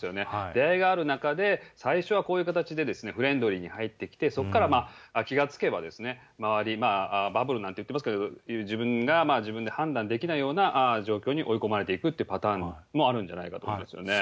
出会いがある中で、最初はこういう形でフレンドリーに入ってきて、そこから気が付けば周り、バブルなんて言ってますけど、自分が自分で判断できないような状況に追い込まれていくっていうパターンもあるんじゃないかと思うんですよね。